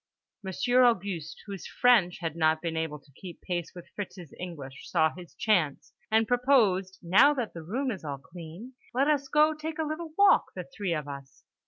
Monsieur Auguste, whose French had not been able to keep pace with Fritz's English, saw his chance, and proposed "now that the Room is all clean, let us go take a little walk, the three of us."